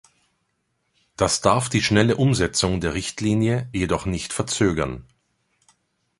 Das darf die schnelle Umsetzung der Richtlinie jedoch nicht verzögern.